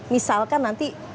misalkan nanti ibu